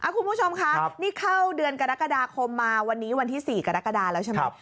คุณผู้ชมคะนี่เข้าเดือนกรกฎาคมมาวันนี้วันที่๔กรกฎาแล้วใช่ไหม